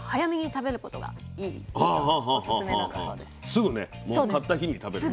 すぐねもう買った日に食べる。